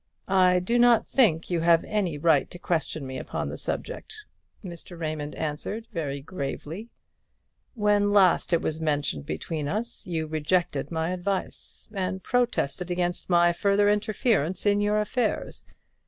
"I do not think you have any right to question me upon the subject," Mr. Raymond answered, very gravely: "when last it was mentioned between us, you rejected my advice, and protested against my further interference in your affairs.